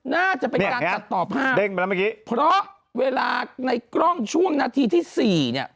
น่าจะเป็นการตัดต่อภาพเพราะเวลาในกล้องช่วงนาทีที่๔เนี่ย